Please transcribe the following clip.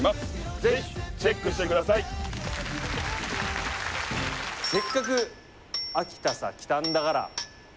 ぜひチェックしてください「せっかく秋田さ来たんだがら」